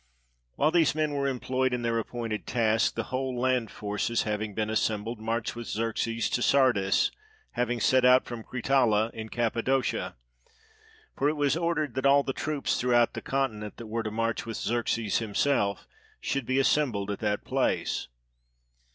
While these men were employed in their appointed task, the whole land forces, having been assembled, marched with Xerxes to Sardis, having set out from Critalla in Cappadocia, for it was ordered that all the troops throughout the continent, that were to march with Xerxes himself, should be assembled at that place.